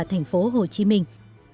thành phố hồ chí minh